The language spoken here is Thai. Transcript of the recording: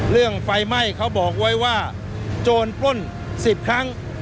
เรื่องไฟไหม้เขาบอกไว้ว่าโจรปล้น๑๐ครั้ง